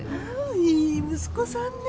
いい息子さんね。